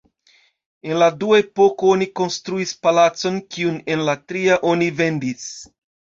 En la dua epoko oni konstruis palacon, kiun en la tria oni vendis.